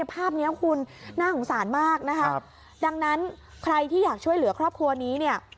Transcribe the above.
ภาพนี้คุณน่าสงสารมากนะคะดังนั้นใครที่อยากช่วยเหลือครอบครัวนี้เนี่ย